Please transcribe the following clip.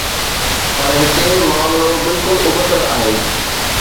پر هتي معاملو بلڪل ابتڙ آهي.